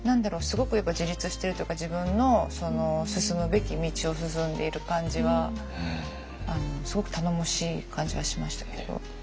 すごくやっぱ自立してるというか自分の進むべき道を進んでいる感じはすごく頼もしい感じはしましたけど。